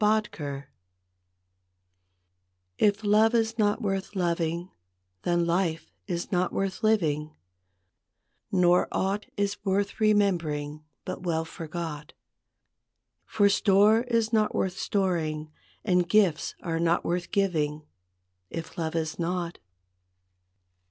T F love is not worth loving, then life is not worth living, Nor aught is worth remembering, but well forgot, For store is not worth storing, and gifts are not worth giving, If love is not.